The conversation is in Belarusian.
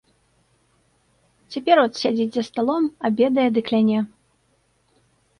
Цяпер от сядзіць за сталом, абедае ды кляне.